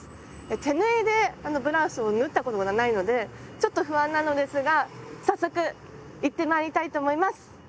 手縫いでブラウスを縫ったことがないのでちょっと不安なのですが早速行ってまいりたいと思います！